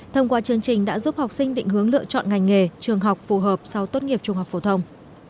thông qua chương trình đã giúp học sinh định hướng lựa chọn ngành nghề trường học phù hợp sau tốt nghiệp trung học phổ thông